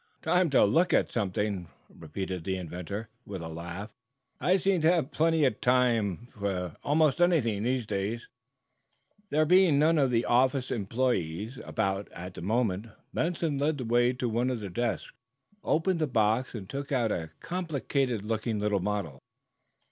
"Time to look at something?" repeated the inventor, with a laugh. "I seem to have plenty of time for almost anything these days." There being none of the office employees about at the moment, Benson led the way to one of the desks, opened the box and took out a complicated looking little model.